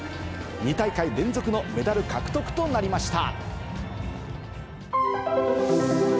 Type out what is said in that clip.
２大会連続のメダル獲得となりました。